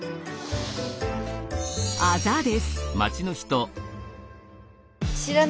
あざです。